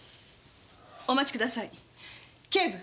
お待ちください。